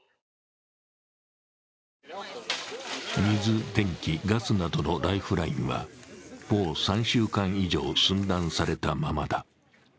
水・電気・ガスなどのライフラインはもう３週間以上、寸断されたままだ。